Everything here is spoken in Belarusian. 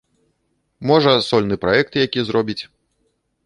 Можа, сольны праект які зробіць.